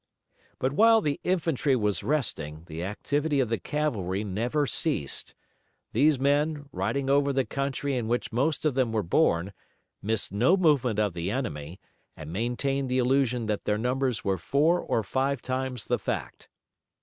But while the infantry was resting the activity of the cavalry never ceased. These men, riding over the country in which most of them were born, missed no movement of the enemy, and maintained the illusion that their numbers were four or five times the fact.